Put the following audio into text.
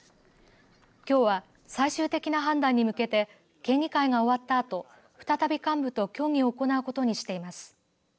きょうは最終的な判断に向けて県議会が終わったあと再び幹部と協議を行うことにしています。